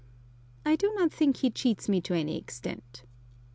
I do not think he cheats me to any extent.